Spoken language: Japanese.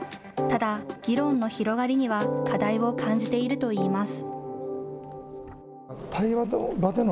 ただ、議論の広がりには課題を感じているといいます。